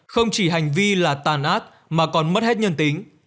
không chỉ hành vi là tàn ác mà còn mất hết nhân tính